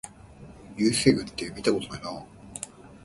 流星群ってみたことないな